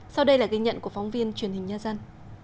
sau đây là ghi nhận của phóng viên truyền hình nhân dân